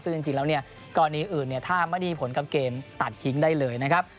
ซึ่งจริงแล้วเนี่ยกรณีอื่นถ้าไม่ได้มีผลกับเกมตัดทิ้งได้เลยนะครับ